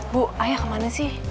bu ayah kemana sih